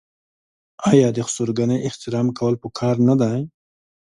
آیا د خسرګنۍ احترام کول پکار نه دي؟